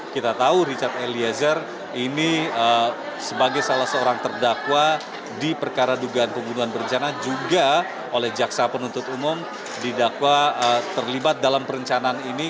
kita tahu richard eliezer ini sebagai salah seorang terdakwa di perkara dugaan pembunuhan berencana juga oleh jaksa penuntut umum didakwa terlibat dalam perencanaan ini